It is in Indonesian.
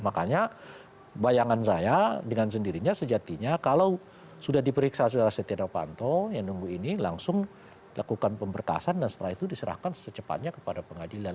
makanya bayangan saya dengan sendirinya sejatinya kalau sudah diperiksa saudara setia novanto yang nunggu ini langsung lakukan pemberkasan dan setelah itu diserahkan secepatnya kepada pengadilan